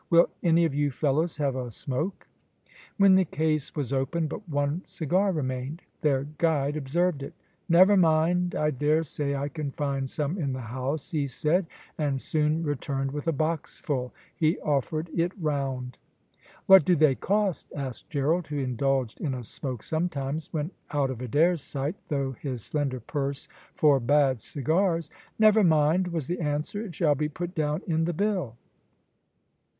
"Will any of you fellows have a smoke?" When the case was opened but one cigar remained. Their guide observed it. "Never mind, I dare say I can find some in the house," he said, and soon returned with a box full. He offered it round. "What do they cost?" asked Gerald, who indulged in a smoke sometimes, when out of Adair's sight, though his slender purse forbade cigars. "Never mind," was the answer; "it shall be put down in the bill."